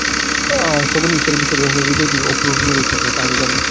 সগুণ ঈশ্বরে বিশ্বাসবান হইলে হৃদয়ে কি অপূর্ব প্রেমের উচ্ছ্বাস হয়, তাহা আমি জানি।